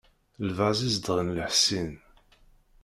Lbaz izedɣen leḥṣin.